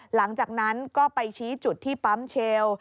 หลังจากนั้นก็ไปชี้จุดที่ปั๊มเชลล์